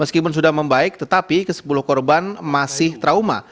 meskipun sudah membaik tetapi ke sepuluh korban masih trauma